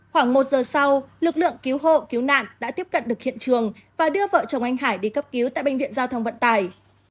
khoảng một giờ sau lực lượng cứu hộ cứu nạn đã tiếp cận được hiện trường và đưa vợ chồng anh hải đi cấp cứu tại bệnh viện giao thông vận tải